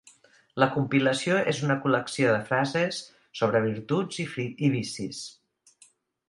La compilació és una col·lecció de frases sobre virtuts i vicis.